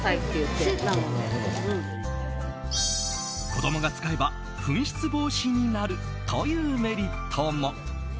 子供が使えば紛失防止になるというメリットも。